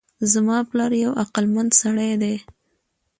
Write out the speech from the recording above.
زما پلار یو عقلمند سړی ده